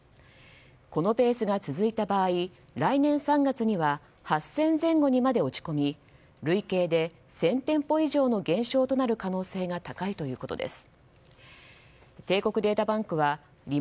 このペースが続いた場合来年３月には８０００前後にまで落ち込み累計で１０００店舗以上の減少となる可能性が高いということです。